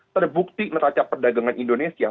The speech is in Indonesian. terbukti meraca perdagangan indonesia